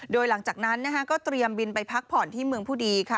โดยหลังจากนั้นก็เตรียมบินไปพักผ่อนที่เมืองผู้ดีค่ะ